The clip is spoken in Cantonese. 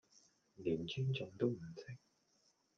連尊重都唔識